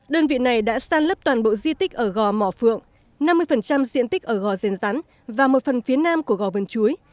đơn vị này đã san lấp toàn bộ di tích ở gò mỏ phượng năm mươi diện tích ở gò rèn rắn và một phần phía nam của gò vườn chuối